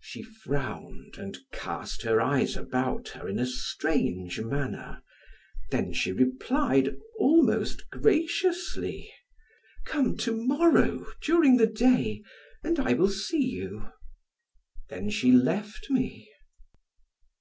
She frowned and cast her eyes about her in a strange manner; then she replied, almost graciously: "Come to morrow during the day and I will see you." Then she left me.